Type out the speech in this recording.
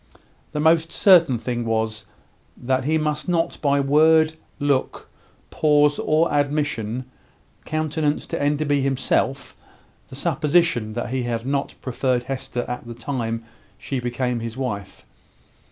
The most certain thing was, that he must not by word, look, pause, or admission, countenance to Enderby himself the supposition that he had not preferred Hester at the time she became his wife.